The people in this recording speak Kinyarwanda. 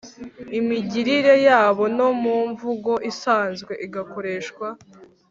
imigirire yabo no mu mvugo isanzwe igakoreshwa,